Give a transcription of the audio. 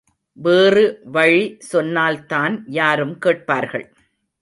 வேறு வழி சொன்னால்தான் யாரும் கேட்பார்கள்.